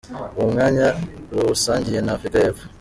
Uwo mwanya ruwusangiye na Afurika y’Epfo.